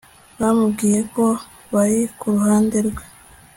Bamubwiye ko bari Kuruhande rwe